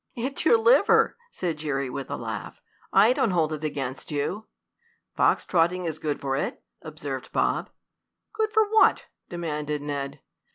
"It's your liver," said Jerry with a laugh. "I don't hold it against you." "Fox trotting is good for it," observed Bob. "Good for what?" demanded Ned.